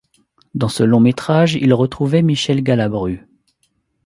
Dans ce long-métrage, il retrouvait Michel Galabru.